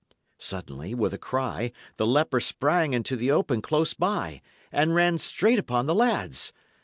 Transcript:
Suddenly, with a cry, the leper sprang into the open close by, and ran straight upon the lads.